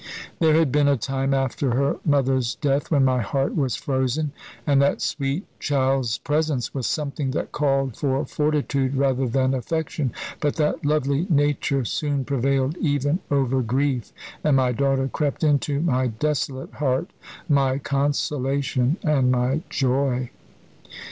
"There had been a time after her mother's death when my heart was frozen, and that sweet child's presence was something that called for fortitude rather than affection, but that lovely nature soon prevailed even over grief, and my daughter crept into my desolate heart, my consolation and my joy."